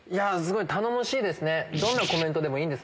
頼もしいですね。